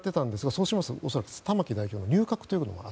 そうしますと恐らく玉木代表の入閣となる。